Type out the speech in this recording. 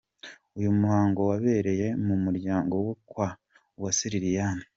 Uyu muhango wabereye mu muryango wo kwa Uwase Liliane.